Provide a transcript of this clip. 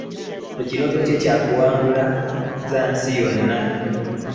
Ekirooto kye kya kuwangula za nsi yonna.